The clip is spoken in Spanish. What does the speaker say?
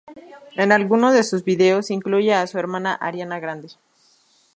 En algunos de sus vídeos incluye a su hermana Ariana Grande.